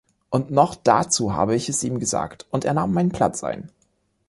Und noch dazu habe ich es ihm gesagt, und er nahm meinen Platz ein.